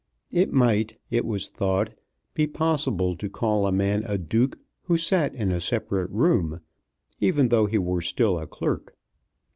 It might, it was thought, be possible to call a man a Duke who sat in a separate room, even though he were still a clerk.